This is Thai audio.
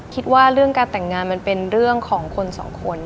คิดว่าเรื่องการแต่งงานมันเป็นเรื่องของคนสองคน